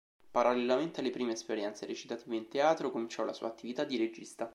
Parallelamente alle prime esperienze recitative in teatro cominciò la sua attività di regista.